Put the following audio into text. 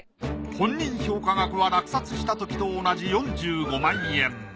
本人評価額は落札した時と同じ４５万円。